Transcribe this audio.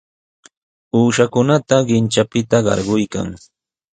Uushakunata qintranpita qarquykan.